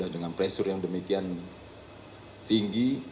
dengan pressure yang demikian tinggi